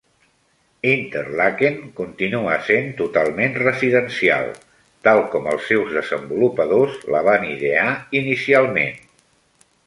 Interlaken continua sent totalment residencial, tal com els seus desenvolupadors la van idear inicialment.